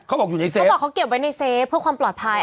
บอกอยู่ในเฟฟเขาบอกเขาเก็บไว้ในเฟฟเพื่อความปลอดภัย